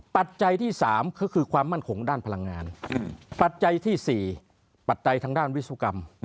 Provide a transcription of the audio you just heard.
ปัจจัยที่๓ก็คือความมั่นคงด้านพลังงานปัจจัยที่๔ปัจจัยทางด้านวิศวกรรม